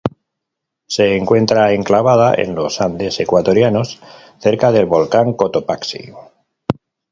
Se encuentra enclavada en los andes ecuatorianos cerca del volcán Cotopaxi.